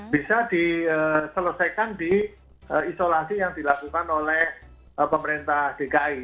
bisa diselesaikan di isolasi yang dilakukan oleh pemerintah dki